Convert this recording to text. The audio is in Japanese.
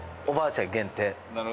おばあちゃん限定。